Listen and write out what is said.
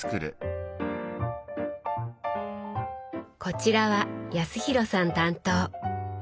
こちらは康廣さん担当。